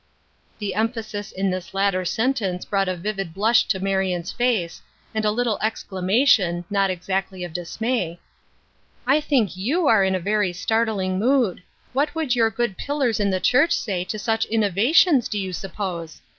The emphasis in this latter sentence brought a vivid blush to Marion's face, and a little ex clamation, not exactly of dismay : "I think 1/ou are in a very startling mood. What would your good pillars in the church say to such innovations, do you suppose